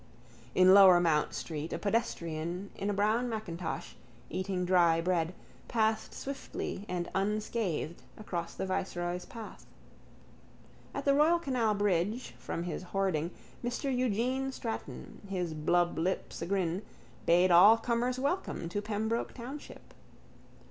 In Lower Mount street a pedestrian in a brown macintosh, eating dry bread, passed swiftly and unscathed across the viceroy's path. At the Royal Canal bridge, from his hoarding, Mr Eugene Stratton, his blub lips agrin, bade all comers welcome to Pembroke township.